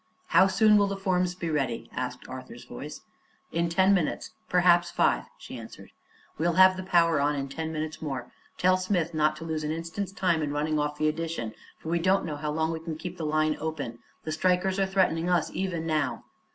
"How soon will the forms be ready?" asked Arthur's voice. "In ten minutes perhaps five," she answered. "We'll have the power on in ten minutes more. Tell Smith not to lose an instant's time in running off the edition, for we don't know how long we can keep the line open. The strikers are threatening us, even now."